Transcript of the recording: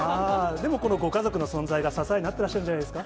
でもこのご家族の存在が支えになってらっしゃるんじゃないですか。